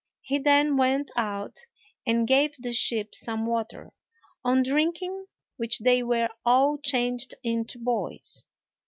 He then went out and gave the sheep some water, on drinking which they were all changed into boys.